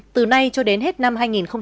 từ năm hai nghìn hai mươi